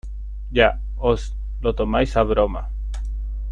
Ya, os lo tomáis a broma.